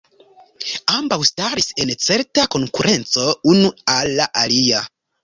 Ambaŭ staris en certa konkurenco unu al la alia.